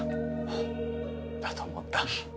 フッだと思った。